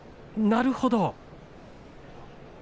なるほど。